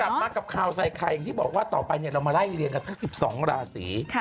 กลับมากับข่าวใส่ไข่อย่างที่บอกว่าต่อไปเรามาไล่เรียงกันสัก๑๒ราศี